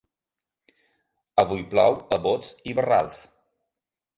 Avui plou a bots i barrals.